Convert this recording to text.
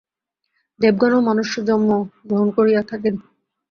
দেবগণও মনুষ্যজন্ম গ্রহণ করিয়া থাকেন।